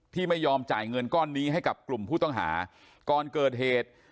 ที่ไม่ยอมจ่ายเงินก้อนนี้ให้กับกลุ่มผู้ต้องหาก่อนเกิดเหตุ